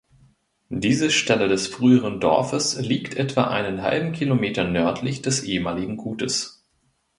Diese Stelle des früheren Dorfes liegt etwa einen halben Kilometer nördlich des ehemaligen Gutes.